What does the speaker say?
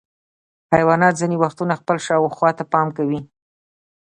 حیوانات ځینې وختونه خپل شاوخوا ته پام کوي.